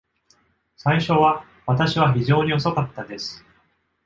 最初は、私は非常に遅かったです。